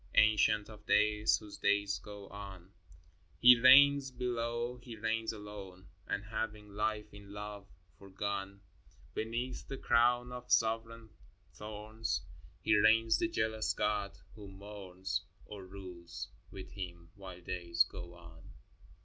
— Ancient of Days, whose days go on ! XVIII. He reigns below, He reigns alone, And having life in love foregone 20 FROM QUEENS' GARDENS. Beneath the crown of sovran thorns, He reigns the jealous God. Who mourns Or rules with Him, while days go on